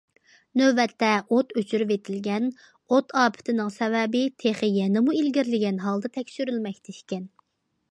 نۆۋەتتە ئوت ئۆچۈرۈۋېتىلگەن، ئوت ئاپىتىنىڭ سەۋەبى تېخى يەنىمۇ ئىلگىرىلىگەن ھالدا تەكشۈرۈلمەكتە ئىكەن.